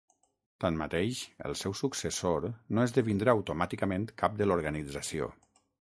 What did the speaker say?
Tanmateix el seu successor no esdevindrà automàticament cap de l'organització.